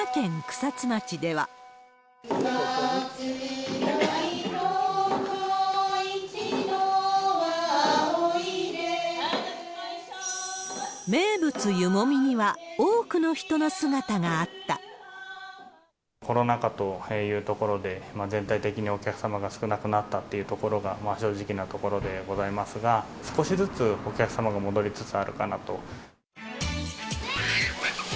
草津よいとーこー、名物、コロナ禍というところで、全体的にお客様が少なくなったっていうところが正直なところでございますが、少しずつお客様が戻りつつあるかなと。